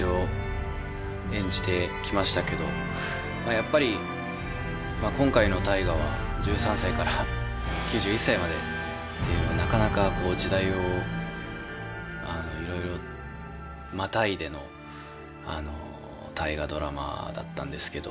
やっぱり今回の「大河」は１３歳から９１歳までというなかなか時代をいろいろまたいでの「大河ドラマ」だったんですけど